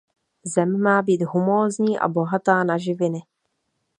Zem má být humózní a bohatá na živiny.